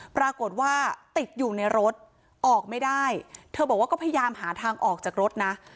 ปรากฏว่าติดอยู่ในรถออกไม่ได้เธอบอกว่าก็พยายามหาทางออกจากรถนะ